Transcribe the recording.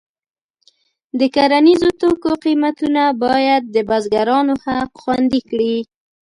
د کرنیزو توکو قیمتونه باید د بزګرانو حق خوندي کړي.